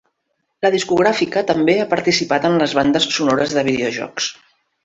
La discogràfica també ha participat en les bandes sonores de videojocs.